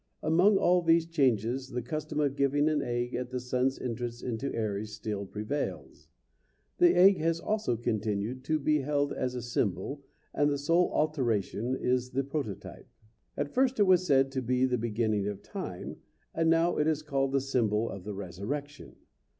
Among all these changes the custom of giving an egg at the sun's entrance into Aries still prevails. The egg has also continued to be held as a symbol, and the sole alteration is the prototype. At first it was said to be the beginning of time and now it is called the symbol of the resurrection.